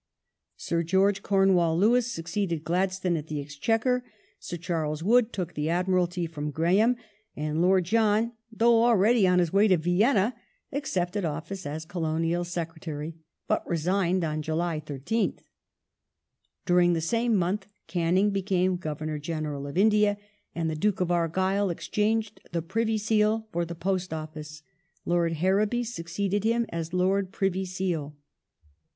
Sir George Cornewall Lewis suc ceeded Gladstone at the Exchequer ; Sir Charles Wood took the Admiralty from Graham, and Lord John, though already on his way to Vienna, accepted office as Colonial Secretary, but resigned on July 13th. During the same month Canning became Governor General of India, and the Duke of Argyll exchanged the Privy Seal for the Post Office, Lord Harrowby succeeding him as Lord Privy Seal.